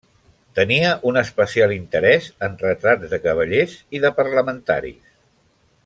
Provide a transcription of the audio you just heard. Tenia un especial interès en retrats de cavallers i de parlamentaris.